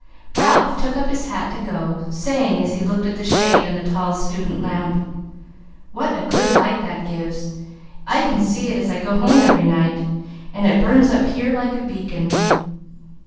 Ralph took up his hat to go, saying as he looked at the shade on the tall student lamp, "What a good light that gives! I can see it as I go home every night, and it burns up here like a beacon.